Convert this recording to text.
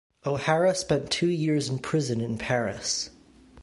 O'Hara spent two years in prison in Paris.